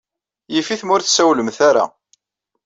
Yif-it ma ur tessawlemt ara.